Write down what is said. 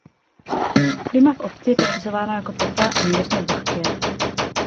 Klima v obci je popisováno jako teplé a mírně vlhké.